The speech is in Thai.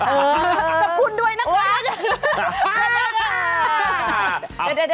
กลับคุณด้วยนะครับ